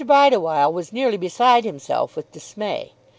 Bideawhile was nearly beside himself with dismay.